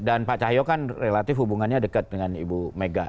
dan pak cahyo kan relatif hubungannya dekat dengan ibu mega